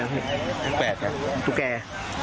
นนี่ทุกแก